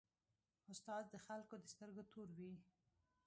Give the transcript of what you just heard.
استاد د خلکو د سترګو تور وي.